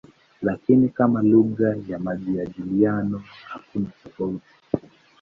Lakini kama lugha ya majadiliano hakuna tofauti.